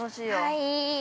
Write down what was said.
◆はい。